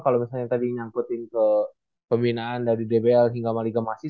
kalau misalnya tadi nyangkutin ke pembinaan dari dbl hingga maligamasis